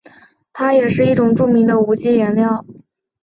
它也是一种著名的无机颜料。